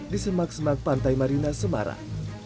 di semak semak pantai marina semarang